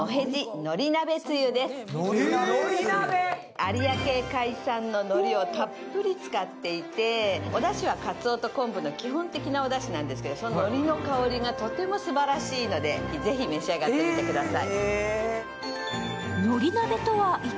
有明海産ののりをたっぷりとつかっていて、おだしはかつおと昆布の基本的なおだしなんですけど、のりの香りがとてもすばらしいので、ぜひ召し上がってみてください。